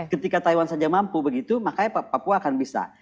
ketika taiwan saja mampu begitu makanya papua akan bisa